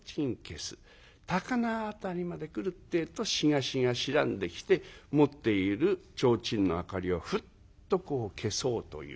高輪辺りまで来るってえと東が白んできて持っている提灯の明かりをフッとこう消そうというわけで。